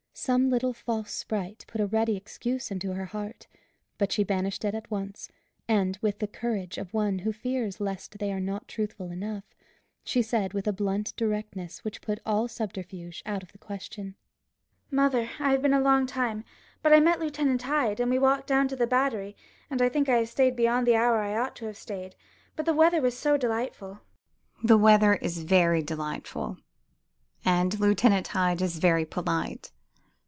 Some little false sprite put a ready excuse into her heart, but she banished it at once, and with the courage of one who fears lest they are not truthful enough, she said with a blunt directness which put all subterfuge out of the question "Mother, I have been a long time, but I met Lieutenant Hyde, and we walked down to the Battery; and I think I have stayed beyond the hour I ought to have stayed but the weather was so delightful." "The weather is very delightful, and Lieutenant Hyde is very polite.